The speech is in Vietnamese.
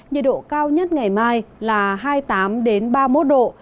nhiệt độ cao nhất ngày mai là hai mươi tám ba mươi một độ